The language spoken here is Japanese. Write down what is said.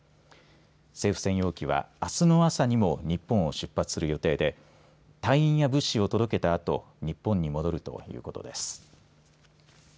政府専用機はあすの朝にも日本を出発する予定で隊員や物資を届けたあと日本に戻るということです。